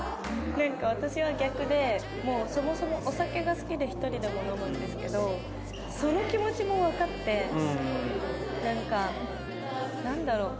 なんか私は逆でそもそもお酒が好きで１人でも飲むんですけどその気持ちもわかってなんかなんだろう？